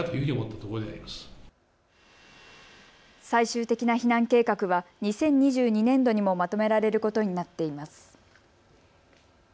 最終的な避難計画は２０２２年度にもまとめられることになっています。